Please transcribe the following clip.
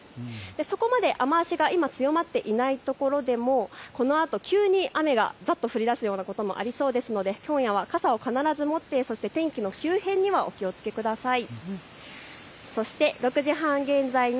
そこまで雨足が今強まっていないところでもこのあと急に雨がざっと降りだすようなこともありそうですので今夜は傘を必ず持ってそして天気の急変にお気をつけください。